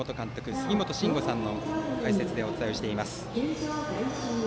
杉本真吾さんの解説でお伝えしています。